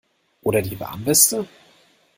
Oder die Warnweste?